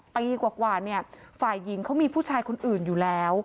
ไปกว่าฝ่ายยิงเขามีผู้ชายคนอื่นอยู่แล้ว